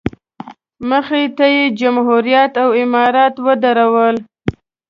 مخې ته یې جمهوریت او امارت ودرول.